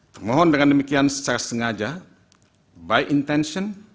termohon dengan demikian secara sengaja by intension